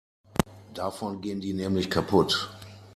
Davon gehen die nämlich kaputt.